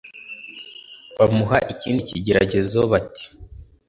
bamuha ikindi kigeragezo bati: